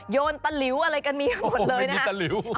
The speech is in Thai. โยนตะลิวอะไรกันมีทั้งหมดเลยนะ